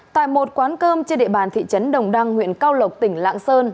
tại một quán cơm trên địa bàn thị trấn đồng đăng huyện cao lộc tỉnh lạng sơn